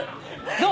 どう？